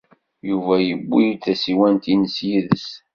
Yuba yewwi-d tasiwant-nnes yid-s.